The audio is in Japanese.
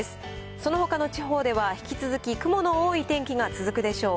そのほかの地方では、引き続き、雲の多い天気が続くでしょう。